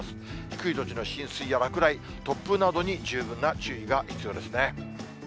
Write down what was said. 低い土地の浸水や落雷、突風などに十分な注意が必要ですね。